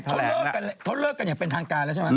เขาเลิกกันอย่างเป็นทางการแล้วใช่ไหม